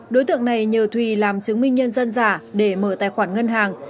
đối tượng này nhờ thùy làm chứng minh nhân dân giả để mở tài khoản ngân hàng